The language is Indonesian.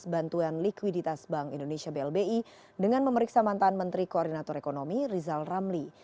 bantuan likuiditas bank indonesia blbi dengan memeriksa mantan menteri koordinator ekonomi rizal ramli